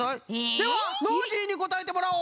ではノージーにこたえてもらおう！